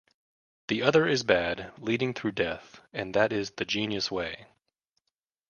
The other is bad, leading through death, and that is the genius way.